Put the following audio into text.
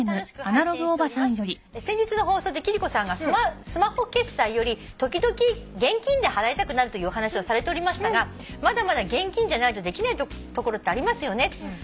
「先日の放送で貴理子さんがスマホ決済より時々現金で払いたくなるというお話をされておりましたがまだまだ現金じゃないとできない所ってありますよね」